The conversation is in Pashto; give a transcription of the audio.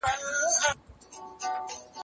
مور د ماشوم سره اړیکه ټینګه کولو کې ستونزه لري.